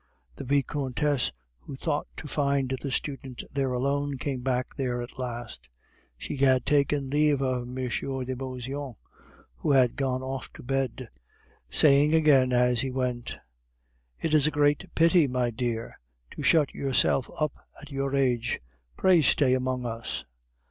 The Vicomtesse, who thought to find the student there alone, came back there at last. She had taken leave of M. de Beauseant, who had gone off to bed, saying again as he went, "It is a great pity, my dear, to shut yourself up at your age! Pray stay among us."